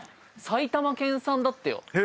埼玉県産だってよ。